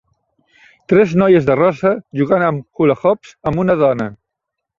Tres noies de rosa jugant amb hula-hoops amb una dona.